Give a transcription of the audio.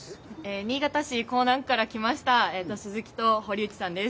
新潟市江南区から来ました鈴木と堀内さんです。